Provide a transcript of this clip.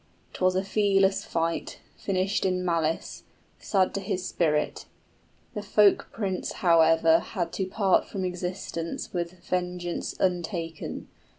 } 'Twas a feeless fight, finished in malice, 50 Sad to his spirit; the folk prince however Had to part from existence with vengeance untaken.